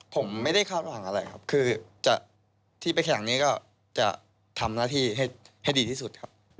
ผมไม่ได้คาดหวังอะไรครับคือที่ไปแข่งนี้ก็จะทำหน้าที่ให้ดีที่สุดครับ